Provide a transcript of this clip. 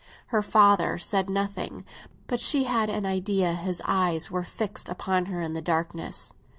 Her father said nothing; but she had an idea his eyes were fixed upon her in the darkness.